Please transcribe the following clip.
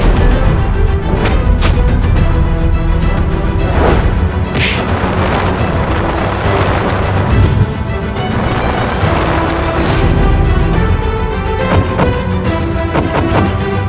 bukan kematian yang membuat